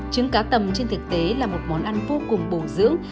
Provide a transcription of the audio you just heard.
trứng cá tầm trên thực tế là một món ăn vô cùng bổ dưỡng